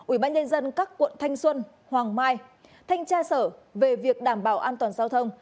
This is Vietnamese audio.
ủy ban nhân dân các quận thanh xuân hoàng mai thanh tra sở về việc đảm bảo an toàn giao thông